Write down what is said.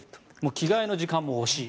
着替えの時間も惜しい。